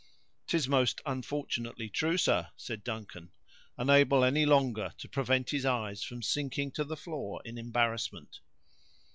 "'Tis most unfortunately true, sir," said Duncan, unable any longer to prevent his eyes from sinking to the floor in embarrassment.